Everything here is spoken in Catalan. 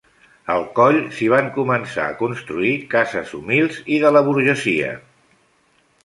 Al Coll s'hi van començar a construir cases humils i de la burgesia.